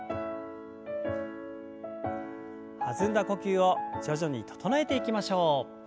弾んだ呼吸を徐々に整えていきましょう。